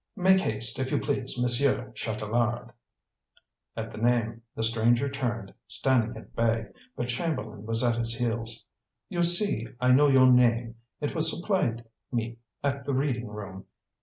Make haste, if you please, Monsieur Chatelard." At the name, the stranger turned, standing at bay, but Chamberlain was at his heels. "You see, I know your name. It was supplied me at the Reading room.